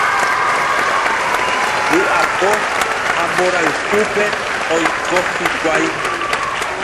Vy'apo ha mborayhúpe oiko hikuái.